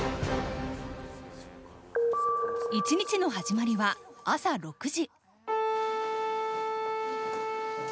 一日の始まりは朝６時。